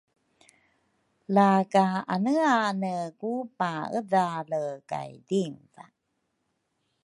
Laka aneane ku paedhale kay dinva?